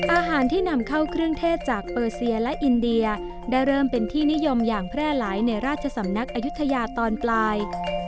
อาหารที่นำเข้าเครื่องเทศจากเปอร์เซียและอินเดียได้เริ่มเป็นที่นิยมอย่างแพร่หลายในราชสำนักอายุทยาตอนปลาย